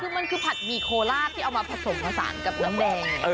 คือมันคือผัดหมี่โคลาบที่เอามาผสมผสานกับน้ำแดง